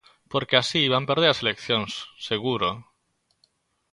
Porque así van perder as eleccións, seguro.